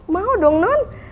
mau dong non